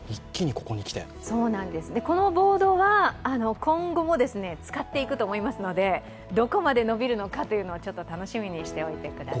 このボードは今後も使っていくと思いますのでどこまで伸びるのかというのを楽しみにしておいてください。